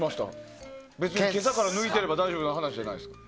今朝から抜いてたら大丈夫な話じゃないですか。